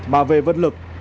mà về vận lực